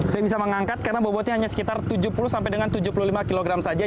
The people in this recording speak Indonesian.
saya bisa mengangkat karena bobotnya hanya sekitar tujuh puluh sampai dengan tujuh puluh lima kg saja